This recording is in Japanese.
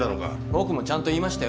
僕もちゃんと言いましたよ。